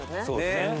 そうですね。